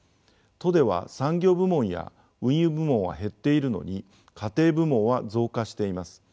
都では産業部門や運輸部門は減っているのに家庭部門は増加しています。